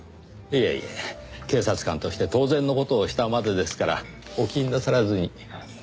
いえいえ警察官として当然の事をしたまでですからお気になさらずに。